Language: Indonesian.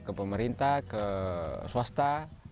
ke pemerintah ke swasta